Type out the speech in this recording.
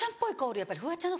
やっぱりフワちゃんのファン